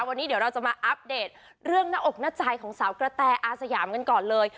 วันนี้เดี๋ยวเราจะมาอัปเดตเรื่องหน้าอกหน้าใจของสาวกระแตอาสยามกันก่อนเลย